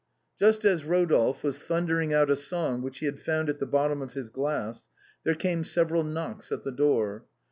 Just as Rodolphe was thundering out a song which he had found at the bottom of his glass, there came several knocks at the door.